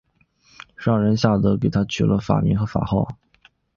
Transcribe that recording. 上仁下德给他取了法名和法号。